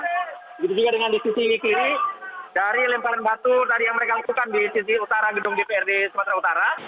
begitu juga dengan di sisi kiri dari lemparan batu tadi yang mereka lakukan di sisi utara gedung dprd sumatera utara